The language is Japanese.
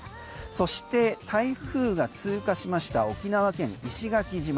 そして台風が通過しました沖縄県・石垣島。